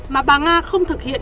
mà bà nga không thực hiện